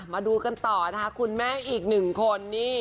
มาดูกันต่อนะคะคุณแม่อีกหนึ่งคนนี่